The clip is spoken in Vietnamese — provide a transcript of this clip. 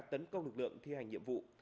tấn công lực lượng thi hành nhiệm vụ